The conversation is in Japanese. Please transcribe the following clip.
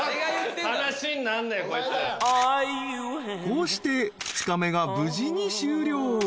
［こうして２日目が無事に終了］